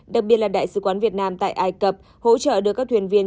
đặc biệt là đại sứ quán việt nam tại ai cập hỗ trợ đưa các thuyền viên